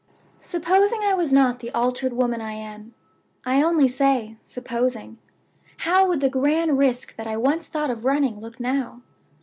"Supposing I was not the altered woman I am I only say, supposing how would the Grand Risk that I once thought of running look now?